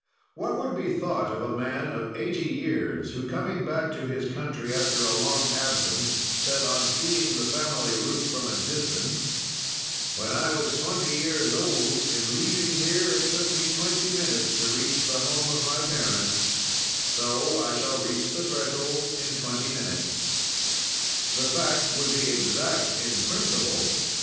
"What would be thought of a man of eighty years who, coming back to his country after a long absence, said, on seeing the family roof from a distance: "'When I was twenty years old, in leaving here, it took me twenty minutes to reach the home of my parents, so I shall reach the threshold in twenty minutes.' "The facts would be exact in principle.